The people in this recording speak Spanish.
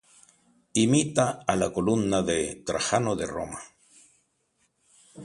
Imita a la Columna de Trajano de Roma.